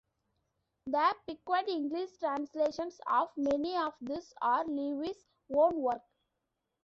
The piquant English translations of many of these are Lewis's own work.